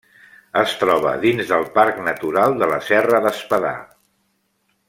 Es troba dins del Parc Natural de la Serra d'Espadà.